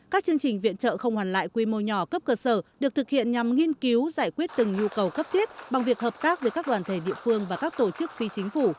các chương trình viện trợ không hoàn lại quy mô nhỏ cấp cơ sở được thực hiện nhằm nghiên cứu giải quyết từng nhu cầu cấp thiết bằng việc hợp tác với các đoàn thể địa phương và các tổ chức phi chính phủ